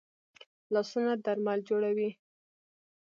لاسونه درمل جوړوي